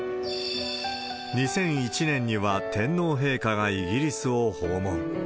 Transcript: ２００１年には天皇陛下がイギリスを訪問。